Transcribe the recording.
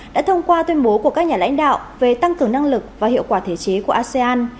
đã thông qua tuyên bố của các nhà lãnh đạo về tăng cường năng lực và hiệu quả thể chế của asean